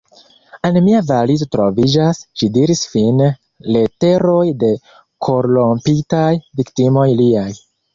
En mia valizo troviĝas, ŝi diris fine, leteroj de korrompitaj viktimoj liaj.